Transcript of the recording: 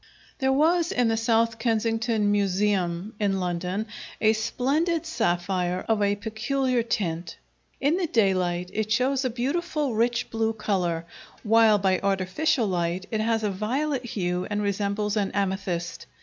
There was in the South Kensington Museum, in London, a splendid sapphire of a peculiar tint. In the daylight it shows a beautiful rich blue color, while by artificial light it has a violet hue and resembles an amethyst.